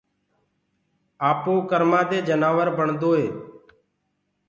آپو ڪرمآنٚ دي جنآور بڻدوئي